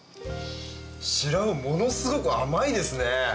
シラウオものすごく甘いですね。